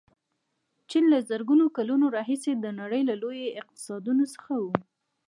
چین له زرګونو کلونو راهیسې د نړۍ له لویو اقتصادونو څخه و.